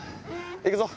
行くぞ。